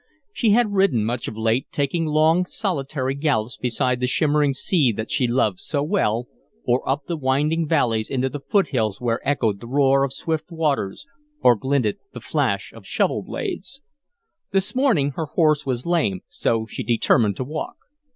She had ridden much of late, taking long, solitary gallops beside the shimmering sea that she loved so well, or up the winding valleys into the foot hills where echoed the roar of swift waters or glinted the flash of shovel blades. This morning her horse was lame, so she determined to walk.